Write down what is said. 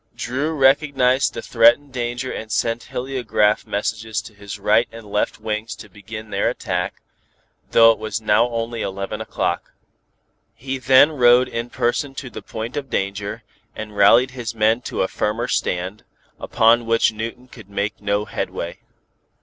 Dru recognized the threatened danger and sent heliograph messages to his right and left wings to begin their attack, though it was now only eleven o'clock. He then rode in person to the point of danger, and rallied his men to a firmer stand, upon which Newton could make no headway.